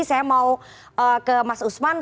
saya mau ke mas usman